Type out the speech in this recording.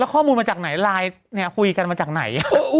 ข้อมูลมาจากไหนไลน์เนี่ยคุยกันมาจากไหน